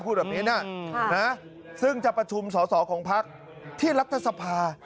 พูดแบบนี้นะซึ่งจะประชุมสอสอของพักที่รัฐสภา